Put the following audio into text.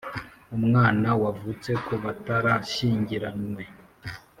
umwana wavutse ku batarashyingiranywe,